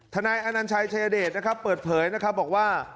นายอนัญชัยชายเดชนะครับเปิดเผยนะครับบอกว่า